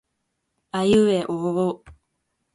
あいうえおおお